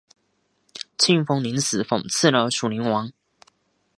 庆封临死讽刺了楚灵王。